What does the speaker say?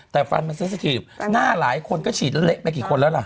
แต่ฟันมันเซสทีฟหน้าหลายคนก็ฉีดเละไปกี่คนแล้วล่ะ